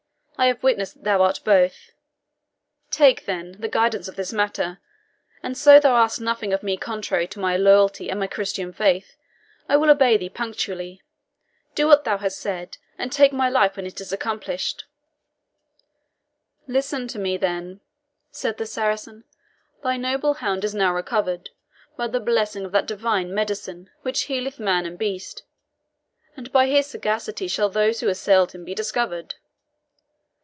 I have witnessed that thou art both. Take, then, the guidance of this matter; and so thou ask nothing of me contrary to my loyalty and my Christian faith, I, will obey thee punctually. Do what thou hast said, and take my life when it is accomplished." "Listen thou to me, then," said the Saracen. "Thy noble hound is now recovered, by the blessing of that divine medicine which healeth man and beast; and by his sagacity shall those who assailed him be discovered."